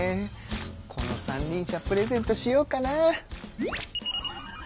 この三輪車プレゼントしようかな。